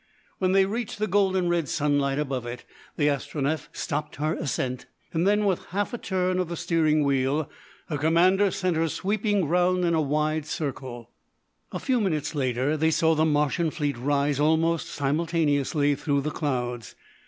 When they reached the golden red sunlight above it the Astronef stopped her ascent, and then, with half a turn of the steering wheel, her commander sent her sweeping round in a wide circle. A few minutes later they saw the Martian fleet rise almost simultaneously through the clouds.